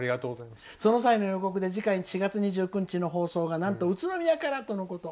「その際の予告で次回４月２９日がなんと宇都宮からとのこと。